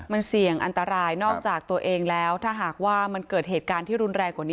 มันเสี่ยงอันตรายนอกจากตัวเองแล้วถ้าหากว่ามันเกิดเหตุการณ์ที่รุนแรงกว่านี้